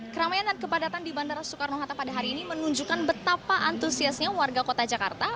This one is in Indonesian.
keramaian dan kepadatan di bandara soekarno hatta pada hari ini menunjukkan betapa antusiasnya warga kota jakarta